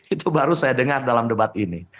itu baru saya dengar dalam debat ini